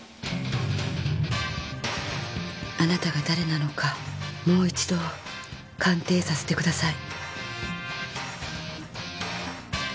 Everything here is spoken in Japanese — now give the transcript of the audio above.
あなたが誰なのかもう一度鑑定させてください。